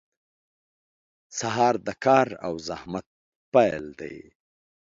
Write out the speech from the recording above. • سهار د کار او زحمت پیل دی.